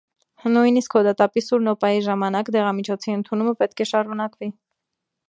Նույնիսկ հոդատապի սուր նոպայի ժամանակ, դեղամիջոցի ընդունումը պետք է շարունակվի։